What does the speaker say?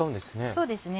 そうですね。